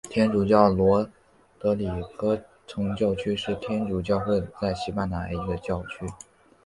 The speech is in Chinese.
天主教罗德里戈城教区是天主教会在西班牙的一个教区。